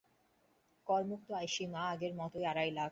করমুক্ত আয়সীমা আগের মতোই আড়াই লাখ টাকা রাখায় চাপে থাকবেন তাঁরা।